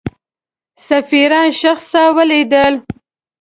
سفیران شخصا ولیدل.